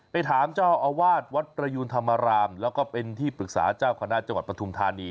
ไปถามเจ้าอาวาสวัดประยูนธรรมรามแล้วก็เป็นที่ปรึกษาเจ้าคณะจังหวัดปฐุมธานี